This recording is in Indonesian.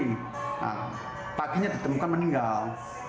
nah paginya ditemukan meninggal